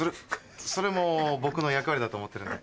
それも僕の役割だと思ってるんで。